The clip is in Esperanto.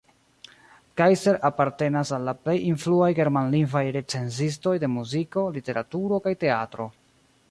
Kaiser apartenas al la plej influaj germanlingvaj recenzistoj de muziko, literaturo kaj teatro.